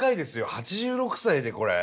８６歳でこれ。